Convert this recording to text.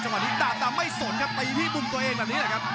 วันนี้ดาบดำไม่สนครับตีที่มุมตัวเองแบบนี้แหละครับ